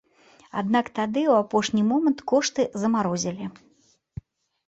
Аднак тады ў апошні момант кошты замарозілі.